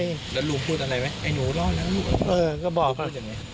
แล้วลุงพูดอะไรไหมไอ้หนูรอดนะลุง